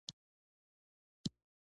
• رښتینی ملګری د سرو زرو نه ارزښت لري.